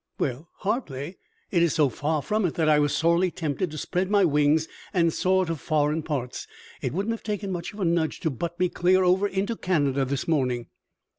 "Well, hardly! It is so far from it that I was sorely tempted to spread my wings and soar to foreign parts. It wouldn't have taken much of a nudge to butt me clear over into Canada this morning."